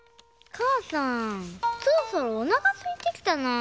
かあさんそろそろおなかすいてきたなぁ。